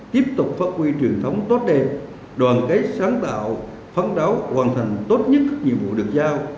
tiếp tục phát huy truyền thống tốt đẹp đoàn kết sáng tạo phấn đấu hoàn thành tốt nhất các nhiệm vụ được giao